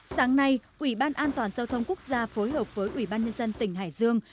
sáng nay ủy ban an toàn giao thông quốc gia phối hợp với ủy ban nhân dân tỉnh hải dương